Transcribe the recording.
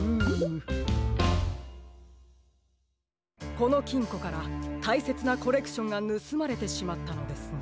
このきんこからたいせつなコレクションがぬすまれてしまったのですね。